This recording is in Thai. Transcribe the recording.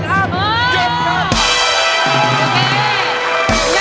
หยุดอับหยุดอับ